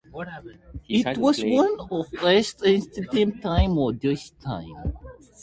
It was known as Amsterdam Time or Dutch Time.